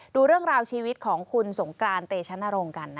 ดูเรื่องราวชีวิตของคุณสงกรานเตชนรงค์กัน